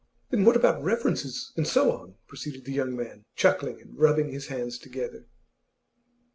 'Then what about references, and so on?' proceeded the young man, chuckling and rubbing his hands together.